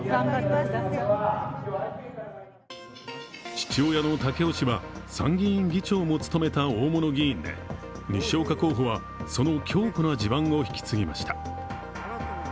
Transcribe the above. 父親の武夫氏は参議院議長も務めた大物議員で、西岡候補は、その強固な地盤を非気付きました。